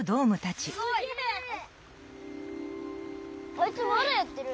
あいつまだやってる！